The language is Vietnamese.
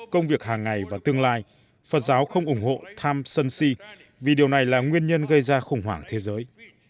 công việc hàng ngày và tương lai phật giáo không ủng hộ tham sân si vì điều này là nguyên nhân gây ra khủng hoảng thế giới